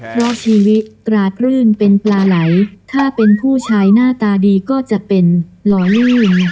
เพราะชีวิตตราดรื่นเป็นปลาไหลถ้าเป็นผู้ชายหน้าตาดีก็จะเป็นหล่อลื่น